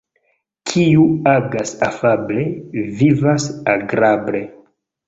Kiu agas afable, vivas agrable.